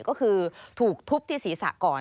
ก็คือถูกทุบที่ศีรษะก่อน